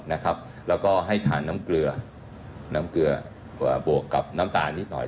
แล้วก็ให้ทานน้ำเกลือน้ำเกลือบวกกับน้ำตาลนิดหน่อย